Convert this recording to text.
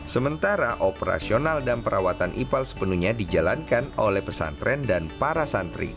sementara operasional dan perawatan ipal sepenuhnya dijalankan oleh pesantren dan para santri